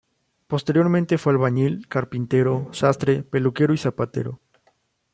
Posteriormente fue albañil, carpintero, sastre, peluquero y zapatero.